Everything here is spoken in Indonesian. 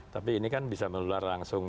tapi ini kan bisa menular langsung